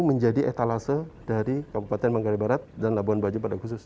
menjadi etalase dari kabupaten banggarabarat dan labuan bajo pada khusus ini